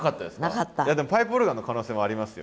いやでもパイプオルガンの可能性もありますよ。